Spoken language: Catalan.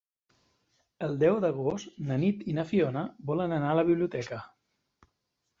El deu d'agost na Nit i na Fiona volen anar a la biblioteca.